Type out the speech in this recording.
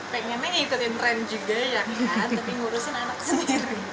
pengennya ngikutin tren juga ya tapi ngurusin anak sendiri